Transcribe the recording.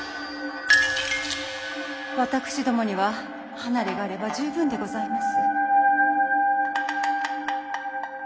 私どもには離れがあれば十分でございます。